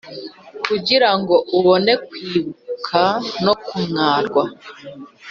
kugira ngo ubone kwibuka no kumwarwa